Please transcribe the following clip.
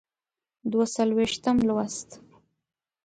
دوه څلویښتم لوست.